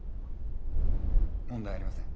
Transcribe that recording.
問題ありません。